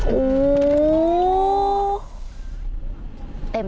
โอ้โห